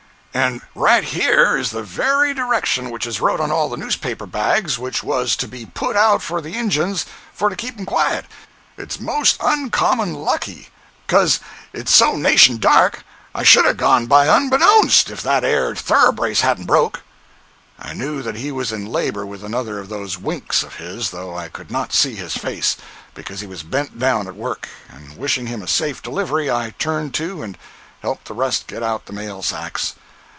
"And right here is the very direction which is wrote on all the newspaper bags which was to be put out for the Injuns for to keep 'em quiet. It's most uncommon lucky, becuz it's so nation dark I should 'a' gone by unbeknowns if that air thoroughbrace hadn't broke." I knew that he was in labor with another of those winks of his, though I could not see his face, because he was bent down at work; and wishing him a safe delivery, I turned to and helped the rest get out the mail sacks.